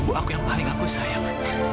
sebagai ibu yang paling aku sayang